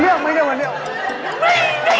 เฮ้ยอย่าทำไรยังอยู่จะพูด